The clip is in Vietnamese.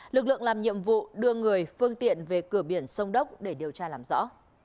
lực lượng làm nhiệm vụ đưa người phương tiện về cửa biển sông đốc để điều tra làm rõ